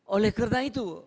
oleh karena itu